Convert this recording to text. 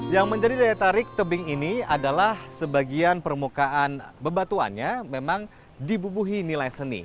yang menjadi daya tarik tebing ini adalah sebagian permukaan bebatuannya memang dibubuhi nilai seni